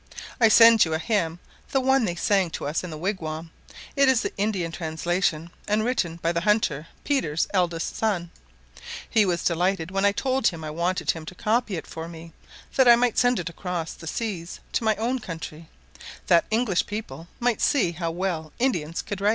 I send you a hymn, the one they sang to us in the wigwam; it is the Indian translation, and written by the hunter, Peter's eldest son: he was delighted when I told him I wanted him to copy it for me, that I might send it across the seas to my own country, that English people might see how well Indians could write.